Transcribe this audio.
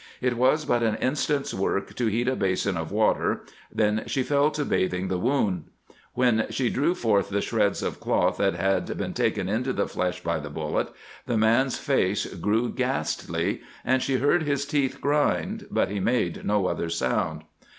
It was but an instant's work to heat a basin of water; then she fell to bathing the wound. When she drew forth the shreds of cloth that had been taken into the flesh by the bullet, the man's face grew ghastly and she heard his teeth grind, but he made no other sound.